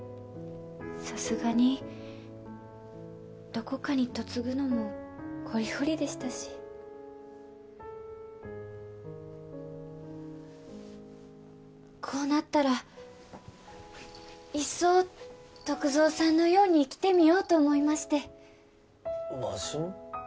さすがにどこかに嫁ぐのもこりごりでしたしこうなったらいっそ篤蔵さんのように生きてみようと思いましてわしの？